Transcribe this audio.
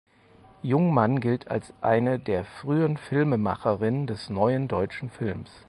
Jungmann gilt als eine der frühen Filmemacherinnen des Neuen Deutschen Films.